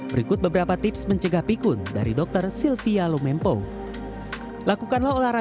jika sudah menunjukkan gejala klinis seperti demensia pengobatan pikun akan sulit dilakukan